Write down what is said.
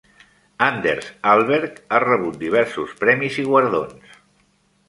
Anders Hallberg ha rebut diversos premis i guardons.